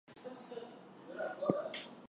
Martha takes care of the school newspaper.